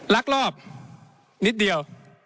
ลักลอบนิดเดียว